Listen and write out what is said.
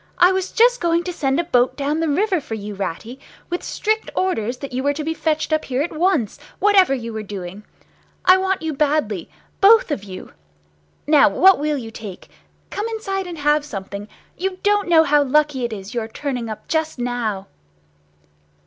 "I was just going to send a boat down the river for you, Ratty, with strict orders that you were to be fetched up here at once, whatever you were doing. I want you badly—both of you. Now what will you take? Come inside and have something! You don't know how lucky it is, your turning up just now!"